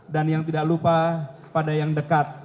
dan yang tidak lupa pada yang dekat